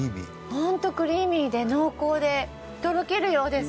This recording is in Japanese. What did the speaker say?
ホントクリーミーで濃厚でとろけるようです。